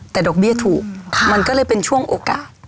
แต่ดอกเบี้ยถูกมันก็เลยเป็นช่วงโอกาส